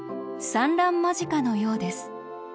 産卵間近のようです。